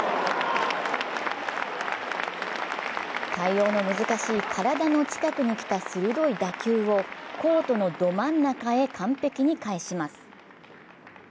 対応の難しい体の近くに来た鋭い打球をコートのど真ん中へ完璧に返します。